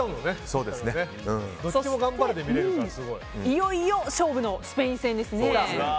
そして、いよいよ勝負のスペイン戦ですね。